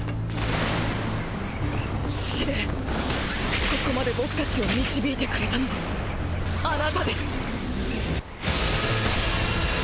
司令ここまで僕たちを導いてくれたのはあなたです。